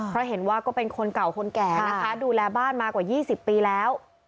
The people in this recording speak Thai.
เพราะเห็นว่าก็เป็นคนเก่าคนแก่นะคะดูแลบ้านมากว่า๒๐ปีแล้ว